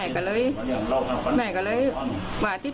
กลุ่มตัวเชียงใหม่